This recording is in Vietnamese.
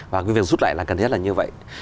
và cái việc rút lại là cần thiết là như vậy